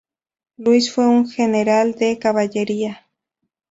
Luis fue un general de Caballería.